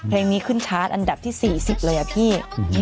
เพลงนี้ขึ้นชาร์จอันดับที่๔๐เลยอะพี่